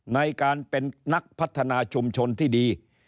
ในการเป็นนักพัฒนาชุมชนที่ดี